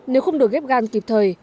nếu không được ghép gan kịp thời